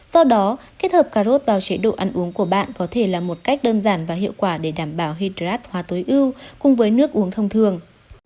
do đó kết hợp cà rốt vào chế độ ăn uống của bạn có thể là một cách đơn giản và hiệu quả để đảm bảo hydrad hóa tối ưu cùng với nước uống thông thường